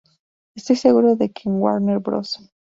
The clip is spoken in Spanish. Estoy seguro de que en Warner Bros.